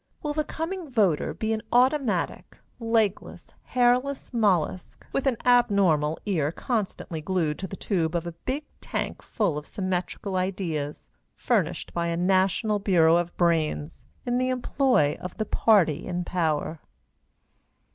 Will the coming voter be an automatic, legless, hairless mollusk with an abnormal ear constantly glued to the tube of a big tank full of symmetrical ideas furnished by a national bureau of brains in the employ of the party in power?